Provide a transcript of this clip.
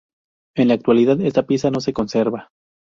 En la actualidad esta pieza no se conserva.